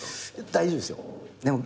大丈夫ですよ。